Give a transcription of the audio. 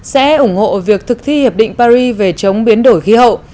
sẽ ủng hộ việc thực thi hiệp định paris về chống biến đổi khí hậu